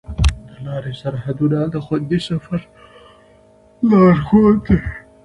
د لارې سرحدونه د خوندي سفر لارښود دي.